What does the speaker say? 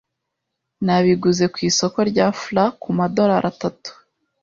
Nabiguze ku isoko rya fla kumadorari atatu.